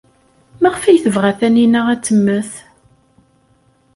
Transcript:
Maɣef ay tebɣa Taninna ad temmet?